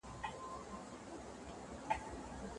هغوی نه پوهېدل چي د نجلۍ مزاج څنګه دی.